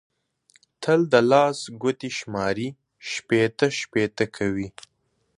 تل د لاس ګوتې شماري؛ شپېته شپېته کوي.